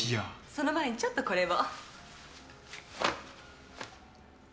その前にちょっとこれを。